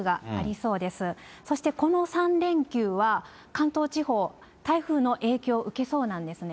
そしてこの３連休は、関東地方、台風の影響、受けそうなんですね。